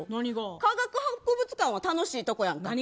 科学博物館は楽しいところやんか。